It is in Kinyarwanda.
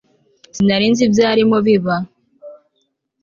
Sinari nzi ibyarimo biba